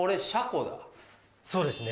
そうですね。